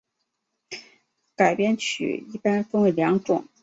改编曲一般分为两种。